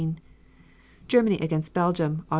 Germany against Belgium, Aug.